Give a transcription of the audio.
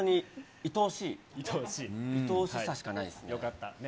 いとおしさしかないですね。